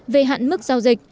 về hạn mức giao dịch